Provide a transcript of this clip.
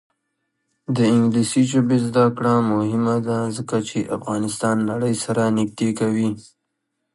د انګلیسي ژبې زده کړه مهمه ده ځکه چې افغانستان نړۍ سره نږدې کوي.